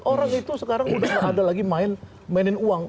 orang itu sekarang udah gak ada lagi mainin uang